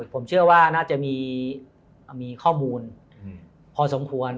ผมเชื่อว่าน่าจะมีข้อมูลพอสมควร